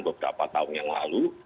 beberapa tahun yang lalu